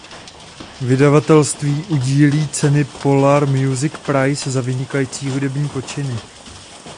Vydavatelství udílí ceny Polar Music Prize za vynikající hudební počiny.